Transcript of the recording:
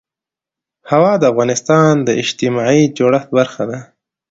هوا د افغانستان د اجتماعي جوړښت برخه ده.